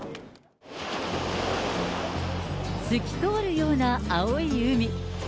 透き通るような青い海。